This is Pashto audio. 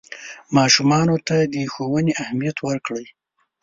ماشومانو ته د ښوونې اهمیت ورکړئ.